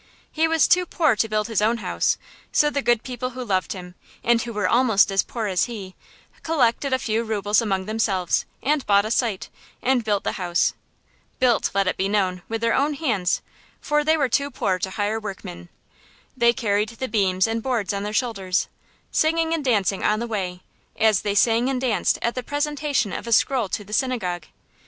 He was too poor to build his own house, so the good people who loved him, and who were almost as poor as he, collected a few rubles among themselves, and bought a site, and built the house. Built, let it be known, with their own hands; for they were too poor to hire workmen. They carried the beams and boards on their shoulders, singing and dancing on the way, as they sang and danced at the presentation of a scroll to the synagogue.